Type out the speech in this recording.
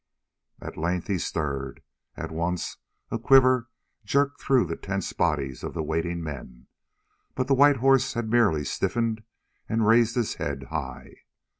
At length he stirred. At once a quiver jerked through the tense bodies of the waiting men, but the white horse had merely stiffened and raised his head high.